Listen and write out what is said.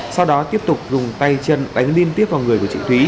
sau đó tiếp tục dùng tay chân đánh liên tiếp vào người của chị thúy